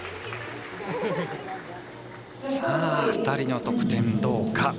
２人の得点、どうか。